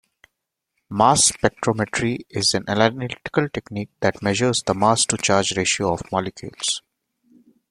Mass spectrometry is an analytical technique that measures the mass-to-charge ratio of molecules.